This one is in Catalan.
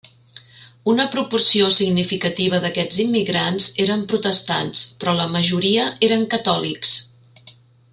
Una proporció significativa d'aquests immigrants eren protestants, però la majoria eren catòlics.